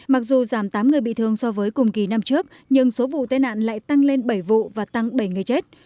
mặc dù giảm tám người bị thương so với cùng kỳ năm trước nhưng số vụ tai nạn lại tăng lên bảy vụ và tăng bảy người chết